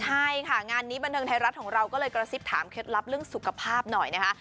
ใช่ค่ะงานนี้บันเทิงไทยรัฐของเราก็เลยกระซิบถามเคล็ดลับเรื่องสุขภาพหน่อยนะคะ